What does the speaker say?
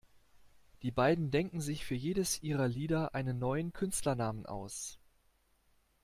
Die beiden denken sich für jedes ihrer Lieder einen neuen Künstlernamen aus.